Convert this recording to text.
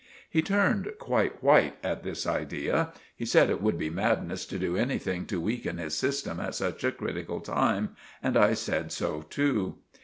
He turned quite white at this idea. He said it would be madness to do anything to weaken his system at such a critikal time, and I said so too.